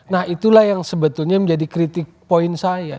nah itulah yang sebetulnya menjadi kritik poin saya